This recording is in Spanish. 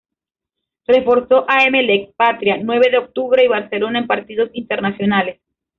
Reforzó a Emelec, Patria, Nueve de Octubre y Barcelona en partidos internacionales.